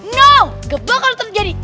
no gak bakal terjadi